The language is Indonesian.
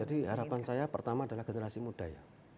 jadi harapan saya pertama adalah generasi muda ya